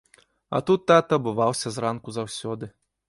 А тут тата абуваўся зранку заўсёды.